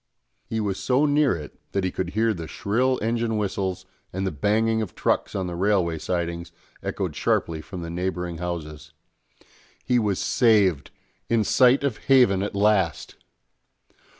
He was so near it that he could hear the shrill engine whistles, and the banging of trucks on the railway sidings echoed sharply from the neighbouring houses. He was saved, in sight of haven at last!